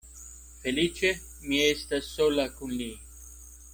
Feliĉe mi estas sola kun li.